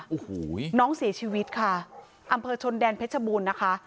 โอ้โหน้องเสียชีวิตค่ะอำเภอชนแดนเพชรบูรณ์นะคะ